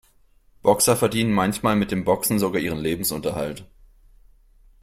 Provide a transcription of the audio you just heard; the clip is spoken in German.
Boxer verdienen manchmal mit dem Boxen sogar ihren Lebensunterhalt.